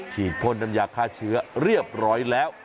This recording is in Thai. พ่นน้ำยาฆ่าเชื้อเรียบร้อยแล้ว